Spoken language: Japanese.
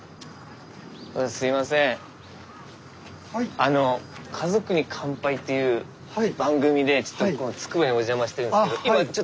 あの「家族に乾杯」っていう番組でちょっとつくばへお邪魔してるんですけどあっ